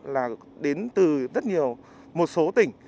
là đến từ rất nhiều một số tỉnh